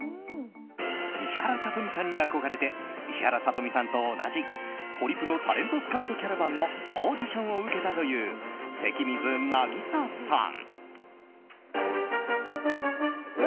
石原さとみさんに憧れて石原さとみさんと同じホリプロタレントスカウトキャラバンのオーディションを受けたという関水渚さん。